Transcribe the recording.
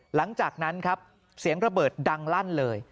หลังจากนั้นครับเสียงระเบิดดังลั่นเลย